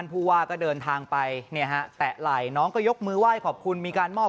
เจริญในสิ่งทุกอย่าง